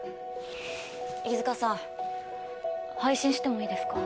飯塚さん配信してもいいですか？